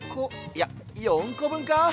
いや４こぶんか？